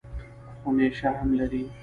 خو نېشه هم لري.